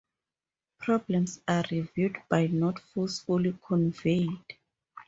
Problems are reviewed but not forcefully conveyed.